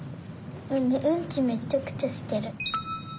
うんちめちゃくちゃしてる。